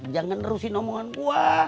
jangan terusin omongan gue